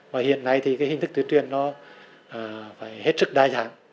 và hiện nay thì cái hình thức tuyên truyền nó phải hết sức đa dạng